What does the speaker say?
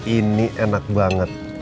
ini enak banget